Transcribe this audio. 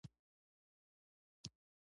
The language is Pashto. ټپي ته باید د خوږ ژوند دروازه پرانیزو.